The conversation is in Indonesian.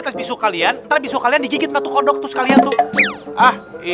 kok sabunku lembek lebek gitu sih